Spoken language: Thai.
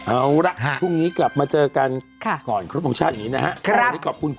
เอาล่ะพรุ่งนี้กลับมาเจอกันก่อนครับผมชาตินี้นะครับ